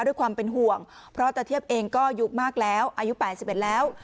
ด้วยความเป็นห่วงเพราะตะเทียบเองก็อายุมากแล้วอายุ๘๑แล้ว